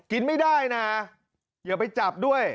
กินไม่ได้นะอย่าไปจับด้วย